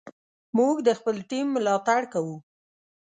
موږ د خپل ټیم ملاتړ کوو.